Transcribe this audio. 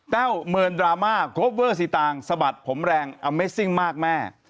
แววเมินดราม่าโคเวอร์สีตางสะบัดผมแรงอเมซิ่งมากแม่